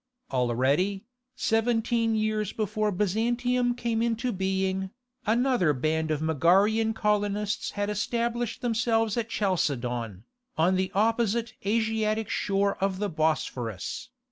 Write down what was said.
Already, seventeen years before Byzantium came into being, another band of Megarian colonists had established themselves at Chalcedon, on the opposite Asiatic shore of the Bosphorus.